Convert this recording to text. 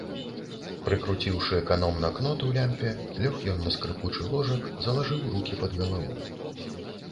Прыкруціўшы эканомна кнот у лямпе, лёг ён на скрыпучы ложак, залажыў рукі пад галаву.